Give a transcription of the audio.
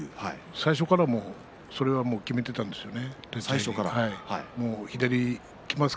最初からそれを決めていたんですよね。